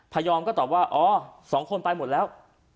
พยอมก็ตอบว่าอ๋อสองคนไปหมดแล้ว